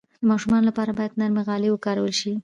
د ماشومانو لپاره باید نرم غالۍ وکارول شي.